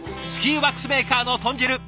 スキーワックスメーカーの豚汁